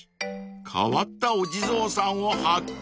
［変わったお地蔵さんを発見］